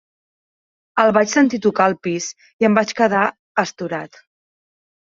El vaig sentir tocar al pis i em vaig quedar astorat.